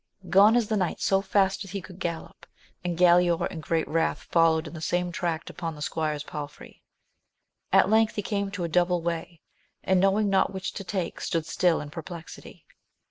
Gone is the knight so fast as he could gallop, and Galaor in great wrath followed in the same tract upon the squire's palfrey. At length he came to a double way, and knowing not which to take, stood still in perplexity.